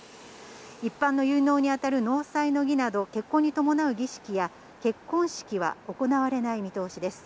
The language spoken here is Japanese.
一般の結納に当たる納采の儀など、結婚に伴う儀式や、結婚式は行われない見通しです。